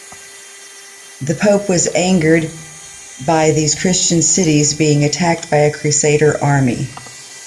The Pope was angered by these Christian cities being attacked by a Crusader army.